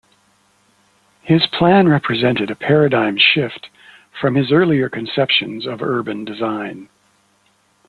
His plan represented a paradigm shift from his earlier conceptions of urban design.